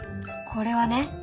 これはね